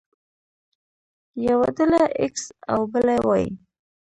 يوه ډله ايکس او بله وايي.